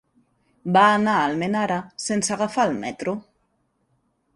Va anar a Almenara sense agafar el metro.